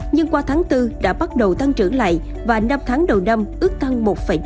nhưng qua tháng bốn đã bắt đầu tăng trưởng lại và năm tháng đầu năm ước tăng một tám